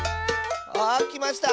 あきました！